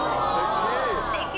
すてき！